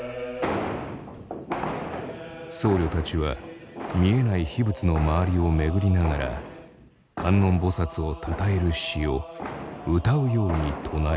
僧侶たちは見えない秘仏の周りを巡りながら観音菩をたたえる詩を歌うように唱える。